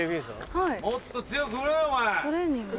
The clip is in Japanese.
・もっと強く振れよお前。